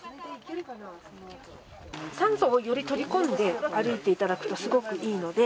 酸素をより取り込んで歩いていただくと、すごくいいので。